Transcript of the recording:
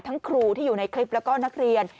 ครูที่อยู่ในคลิปแล้วก็นักเรียน